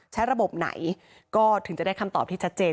ใช้ระบบไหนก็ถึงจะได้คำตอบที่ชัดเจน